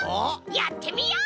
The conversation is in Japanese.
やってみよう！